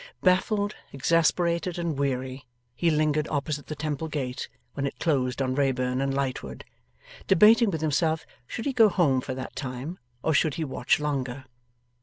Baffled, exasperated, and weary, he lingered opposite the Temple gate when it closed on Wrayburn and Lightwood, debating with himself should he go home for that time or should he watch longer.